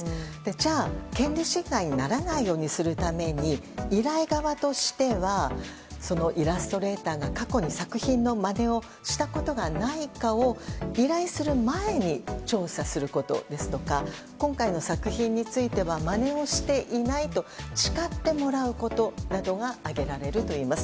じゃあ、権利侵害にならないようにするために依頼側としてはイラストレーターが過去に作品のまねをしたことがないかを依頼する前に調査することですとか今回の作品についてはまねをしていないと誓ってもらうことなどが挙げられるといいます。